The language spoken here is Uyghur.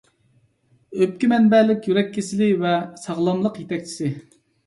ئۆپكە مەنبەلىك يۈرەك كېسىلى ۋە ساغلاملىق يېتەكچىسى.